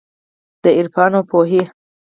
د عرفان اوپو هي